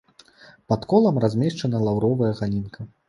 Пад колам размешчана лаўровая галінка.